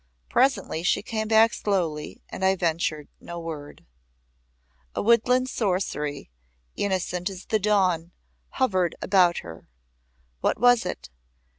presently she came back slowly and I ventured no word. A woodland sorcery, innocent as the dawn, hovered about her. What was it?